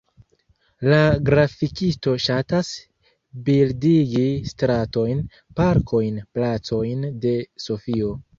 La grafikisto ŝatas bildigi stratojn, parkojn, placojn de Sofio.